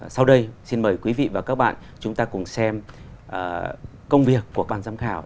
sau đây xin mời quý vị và các bạn chúng ta cùng xem công việc của bàn giám khảo